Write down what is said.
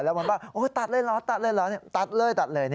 แล้วมันบอกตัดเลยเหรอตัดเลยตัดเลย